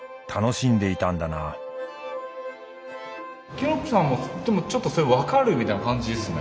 きのっぴぃさんはでもちょっとそれ分かるみたいな感じですね。